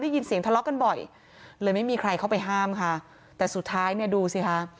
ยินเสียงทะเลาะกันบ่อยเลยไม่มีใครเข้าไปห้ามค่ะแต่สุดท้ายเนี่ยดูสิค่ะ